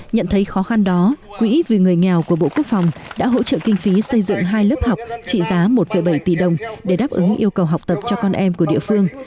nhận thấy khó khăn đó quỹ vì người nghèo của bộ quốc phòng đã hỗ trợ kinh phí xây dựng hai lớp học trị giá một bảy tỷ đồng để đáp ứng yêu cầu học tập cho con em của địa phương